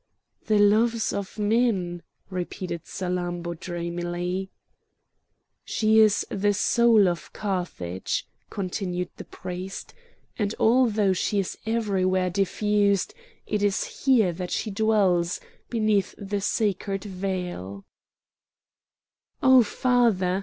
"The loves of men!" repeated Salammbô dreamily. "She is the soul of Carthage," continued the priest; "and although she is everywhere diffused, it is here that she dwells, beneath the sacred veil." "O father!"